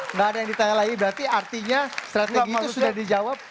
nggak ada yang ditanya lagi berarti artinya strategi itu sudah dijawab